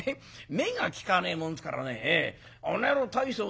目が利かねえもんですからねあの野郎大層いいものをね